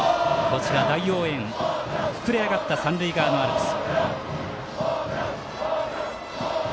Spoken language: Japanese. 大応援、膨れ上がった三塁側のアルプス。